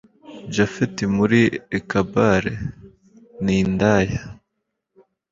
japhet muri ECBAR nindaya